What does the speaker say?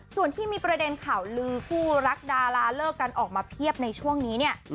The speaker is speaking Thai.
ส่วนที่มีประเด็นข่าวลือคู่รักดาราเลิกกันออกมาเพียบในช่วงนี้เนี่ย